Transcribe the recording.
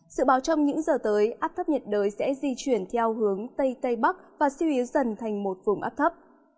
sự báo trong những giờ tới áp thấp nhiệt đới sẽ di chuyển theo hướng tây tây bắc và suy yếu dần thành một vùng áp thấp